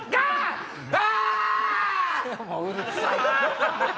うるさい。